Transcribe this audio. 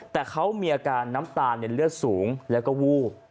แต่เขามีอาการน้ำตาลเลือดสูงแล้วก็วูบ